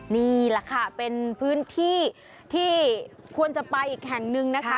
นี่แหละค่ะเป็นพื้นที่ที่ควรจะไปอีกแห่งนึงนะคะ